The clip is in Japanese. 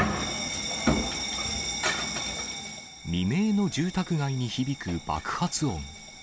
未明の住宅街に響く爆発音。